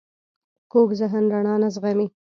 کوږ ذهن رڼا نه زغمي